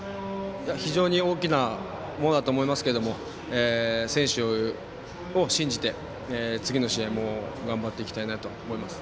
非常に大きなものだと思いますけど選手を信じて次の試合も頑張っていきたいと思います。